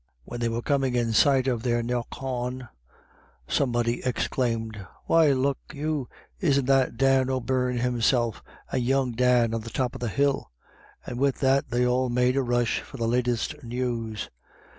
When they were coming in sight of their knockawn, somebody exclaimed, " Why look you, isn't that Dan O'Beirne himself and young Dan on the top of the hill ?" and with that they all made a rush for the latest news.